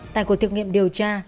tại cuộc thực nghiệm điều tra